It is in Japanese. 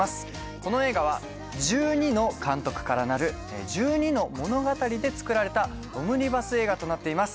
この映画は１２の監督からなる１２の物語で作られたオムニバス映画となっています